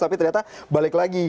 tapi ternyata balik lagi